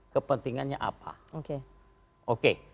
kepentingannya apa oke